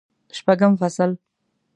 شپږم فصل